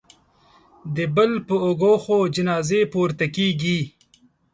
د بل په اوږو خو جنازې پورته کېږي